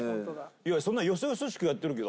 いやそんなよそよそしくやってるけど。